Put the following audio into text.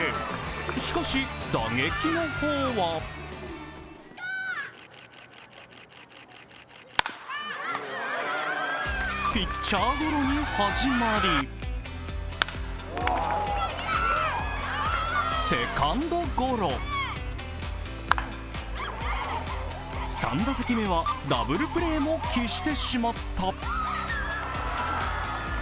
しかし、打撃の方はピッチャーゴロに始まりセカンドゴロ、３打席目はダブルプレーも喫してしまった。